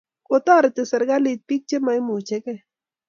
kotareti serikalit pik chemaimuchikei